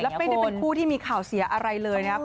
ไม่ได้เป็นคู่ที่มีข่าวเสียอะไรเลยนะครับ